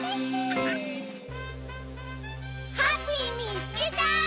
ハッピーみつけた！